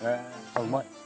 うまい。